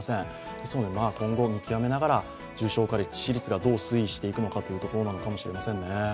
ですので、今後見極めながら、重症化率、致死率がどう推移していくのかというところなのかもしれませんね。